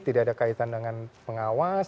tidak ada kaitan dengan pengawas